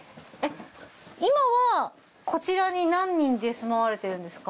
今はこちらに何人で住まわれてるんですか？